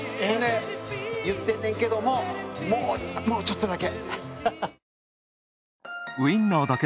言ってんねんけどももうちょっとだけ。